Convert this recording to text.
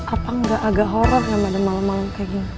apa nggak agak horror sama ada malam malam kayak gini